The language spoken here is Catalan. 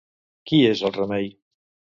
Qui és la Remei?